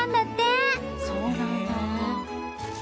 そうなんだ。